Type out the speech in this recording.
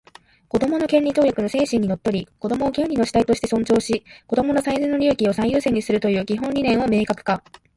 「子どもの権利条約」の精神にのっとり、子供を権利の主体として尊重し、子供の最善の利益を最優先にするという基本理念を明確化